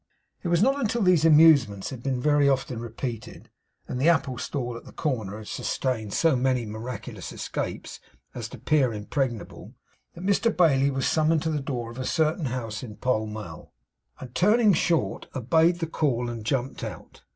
It was not until these amusements had been very often repeated, and the apple stall at the corner had sustained so many miraculous escapes as to appear impregnable, that Mr Bailey was summoned to the door of a certain house in Pall Mall, and turning short, obeyed the call and jumped out.